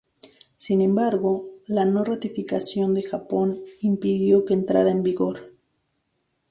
Sin embargo, la no ratificación de Japón impidió que entrara en vigor.